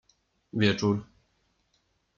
Wieczór.